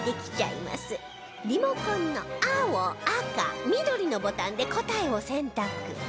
リモコンの青赤緑のボタンで答えを選択